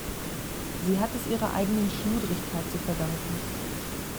Sie hat es ihrer eigenen Schludrigkeit zu verdanken.